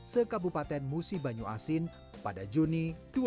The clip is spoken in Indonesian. sekabupaten musi banyu asin pada juni dua ribu dua puluh